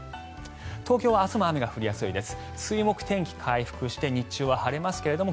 東京は明日も雨が降りやすいです。